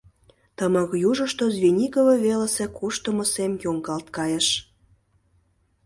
Тымык южышто Звенигово велысе куштымо сем йоҥгалт кайыш.